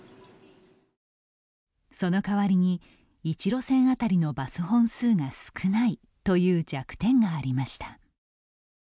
その代わりに、１路線当たりのバス本数が少ないという弱点がありました。